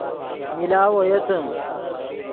ملاؤ اویتے